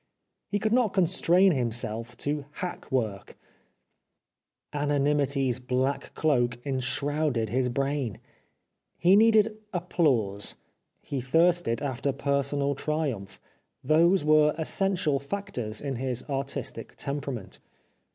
He could not constrain himself to hack work : anonymity's black cloak enshrouded his brain. He needed applause ; he thirsted after personal triumph — those were essential factors in his artistic temperament.